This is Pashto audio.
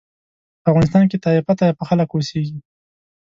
په افغانستان کې طایفه طایفه خلک اوسېږي.